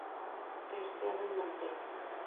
Terciado en mantel.